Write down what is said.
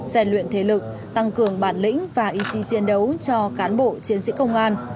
rèn luyện thể lực tăng cường bản lĩnh và ý chí chiến đấu cho cán bộ chiến sĩ công an